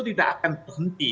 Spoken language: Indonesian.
tidak akan berhenti